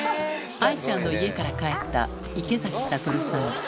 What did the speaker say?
愛ちゃんの家から帰った池崎慧さん